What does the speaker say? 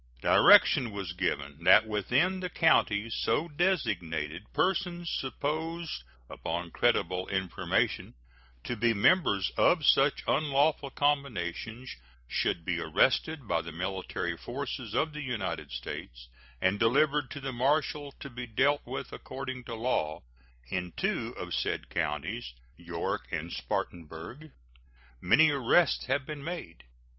Direction was given that within the counties so designated persons supposed, upon creditable information, to be members of such unlawful combinations should be arrested by the military forces of the United States and delivered to the marshal, to be dealt with according to law. In two of said counties, York and Spartanburg, many arrests have been made.